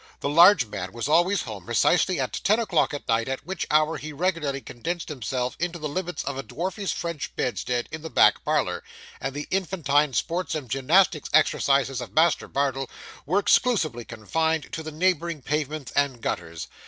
The large man was always home precisely at ten o'clock at night, at which hour he regularly condensed himself into the limits of a dwarfish French bedstead in the back parlour; and the infantine sports and gymnastic exercises of Master Bardell were exclusively confined to the neighbouring pavements and gutters.